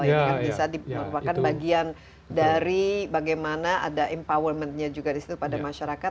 yang bisa dimanfaatkan bagian dari bagaimana ada empowerment nya juga di situ pada masyarakat